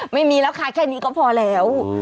ไม่มีแล้วค่ะแค่นี้ก็พอแล้ว